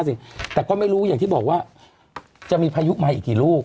สิแต่ก็ไม่รู้อย่างที่บอกว่าจะมีพายุมาอีกกี่ลูก